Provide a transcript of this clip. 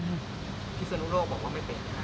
พิศนุโลกบอกว่าไม่เป็น